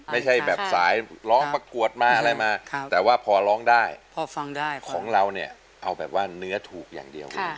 ไม่ใช่แบบสายร้องประกวดมาอะไรมาแต่ว่าพอร้องได้พอฟังได้ของเราเนี่ยเอาแบบว่าเนื้อถูกอย่างเดียว